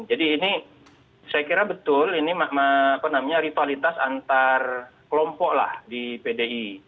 jadi ini saya kira betul ini apa namanya ritualitas antar kelompok lah di pdi